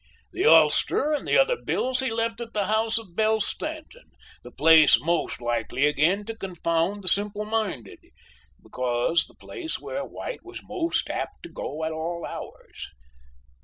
"The ulster and the other bills he left at the house of Belle Stanton, the place most likely again to confound the simple minded, because the place where White was most apt to go at all hours.